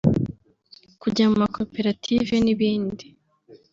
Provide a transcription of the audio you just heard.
kujya mu makoperative n’ibindi